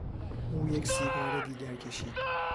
او یک سیگار دیگر کشید.